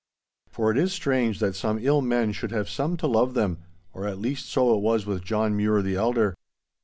For it is strange that such ill men should have some to love them, or at least so it was with John Mure the elder.